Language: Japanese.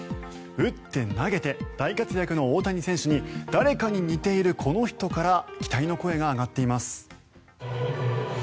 打って、投げて大活躍の大谷選手に誰かに似ているこの人から期待の声が上がっています。